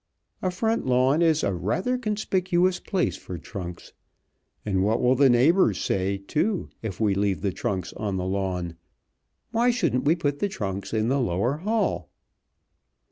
A front lawn is a rather conspicuous place for trunks. And what will the neighbors say, too, if we leave the trunks on the lawn? Why shouldn't we put the trunks in the lower hall?"